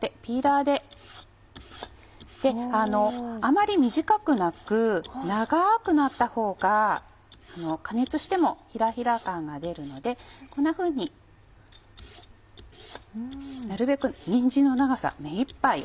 であまり短くなく長くなったほうが加熱してもヒラヒラ感が出るのでこんなふうに。なるべくにんじんの長さ目いっぱいを。